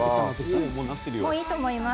もういいと思います。